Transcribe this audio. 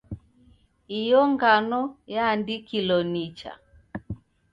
Iyo ngano yaandikilo nicha.